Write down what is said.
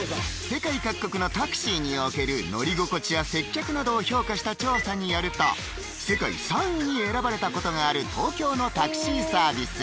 世界各国のタクシーにおける乗り心地や接客などを評価した調査によると世界３位に選ばれたことがある東京のタクシーサービス